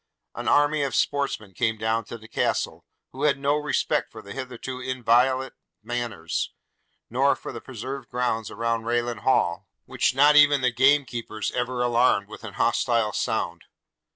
An army of sportsmen came down to the Castle, who had no respect for the hitherto inviolate manors, nor for the preserved grounds around Rayland Hall, which not even the game keepers ever alarmed with an hostile sound.